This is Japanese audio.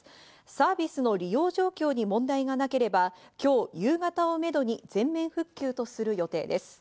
サービスの利用状況に問題がなければ、今日夕方をめどに全面復旧とする予定です。